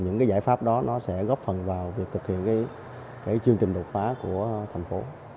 những giải pháp đó sẽ góp phần vào việc thực hiện chương trình đột phá của thành phố